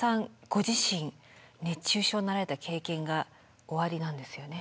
ご自身熱中症になられた経験がおありなんですよね。